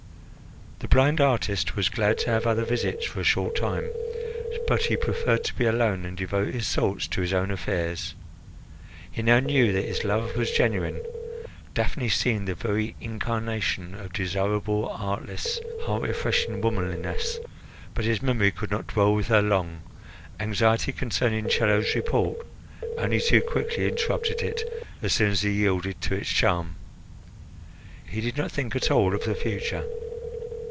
The blind artist was glad to have other visits for a short time, but he preferred to be alone and devote his thoughts to his own affairs. He now knew that his love was genuine. Daphne seemed the very incarnation of desirable, artless, heart refreshing womanliness, but his memory could not dwell with her long; anxiety concerning Chello's report only too quickly interrupted it, as soon as he yielded to its charm. He did not think at all of the future.